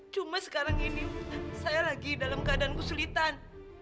cuma sekarang ini saya lagi dalam keadaanku sulitan